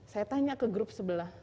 saya tanya ke grup sebelah